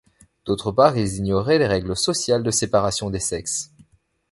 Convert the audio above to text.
D'autre part, ils ignoraient les règles sociales de séparation des sexes.